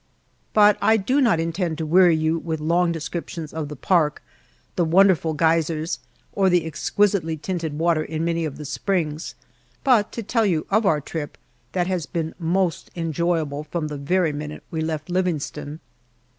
But I do not intend to weary you with long descriptions of the park, the wonderful geysers, or the exquisitely tinted water in many of the springs, but to tell you of our trip, that has been most enjoyable from the very minute we left Livingstone.